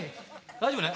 大丈夫ね。